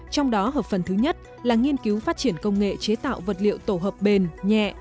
trong đó hợp phần thứ nhất là nghiên cứu phát triển công nghệ chế tạo vật liệu tổ hợp bền nhẹ